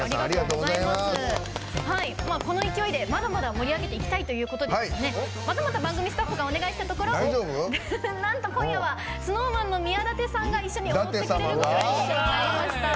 この勢いでまだまだ盛り上げていきたいということでまたまた番組スタッフがお願いしたところなんと今夜はＳｎｏｗＭａｎの宮舘さんが一緒に踊ってくれることになりました。